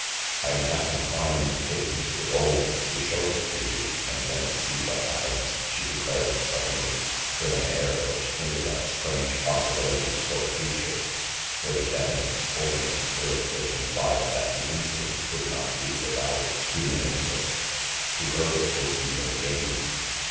"I am half inclined to take you to the gold, to show it to you, and then see what happens," she declared suddenly, with an air which hinted at strange possibilities for the future, with a definite sporting spirit which implied that the incident could not be without its human interest. To her, it would be a game.